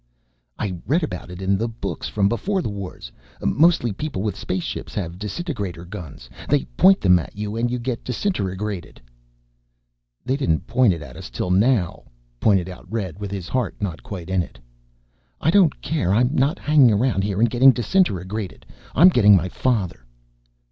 "I read about it in the books from Beforethewars. Mostly people with space ships have disintegrator guns. They point them at you and you get disintegratored." "They didn't point it at us till now," pointed out Red with his heart not quite in it. "I don't care. I'm not hanging around here and getting disintegratored. I'm getting my father."